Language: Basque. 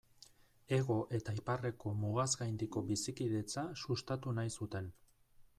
Hego eta Iparreko mugaz gaindiko bizikidetza sustatu nahi zuten.